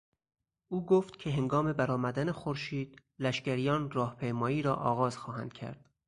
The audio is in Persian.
او گفت که هنگام برآمدن خورشید لشگریان راه پیمایی را آغاز خواهند کرد.